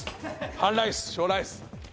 半ライス小ライス。